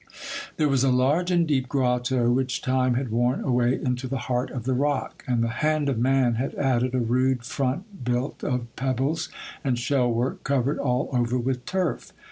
There was a large and deep grotto which time had worn away into the heart of the rock ; and the hand of man had added a rude front built of pebbles and shell work, covered all over with turf.